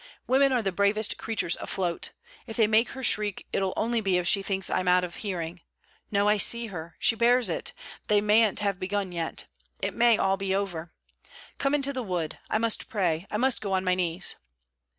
Women are the bravest creatures afloat. If they make her shriek, it'll be only if she thinks I 'm out of hearing. No: I see her. She bears it! They mayn't have begun yet. It may all be over! Come into the wood. I must pray. I must go on my knees.'